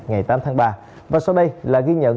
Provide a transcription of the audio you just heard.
ngày tám tháng ba và sau đây là ghi nhận